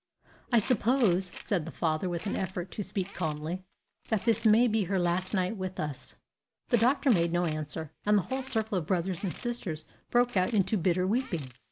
"I suppose," said the father, with an effort to speak calmly, "that this may be her last night with us." The doctor made no answer, and the whole circle of brothers and sisters broke out into bitter weeping.